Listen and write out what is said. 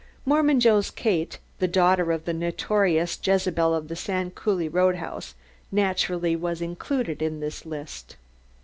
"Mormon Joe's Kate," the daughter of the notorious Jezebel of the Sand Coulee Roadhouse, naturally was included in the list.